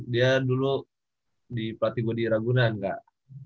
dia dulu di pelatih gua di raguna enggak